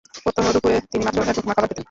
প্রত্যহ দুপুরে তিনি মাত্র এক লুকমা খাবার খেতেন।